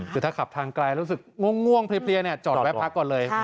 คือถ้าขับทางไกลรู้สึกง่วงเพลียจอดแวะพักก่อนเลย